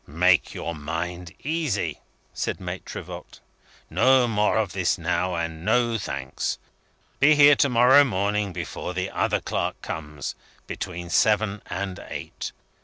"Make your mind easy," said Maitre Voigt. "No more of this now, and no thanks! Be here to morrow morning, before the other clerk comes between seven and eight.